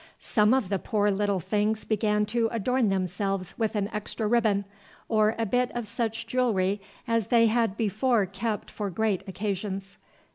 Some of the poor little things began to adorn themselves with an extra ribbon, or a bit of such jewelry as they had before kept for great occasions.